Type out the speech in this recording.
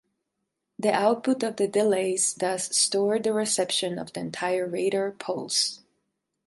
The output of the delays thus stored the reception of the entire radar pulse.